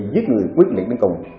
giết người quyết định đến cùng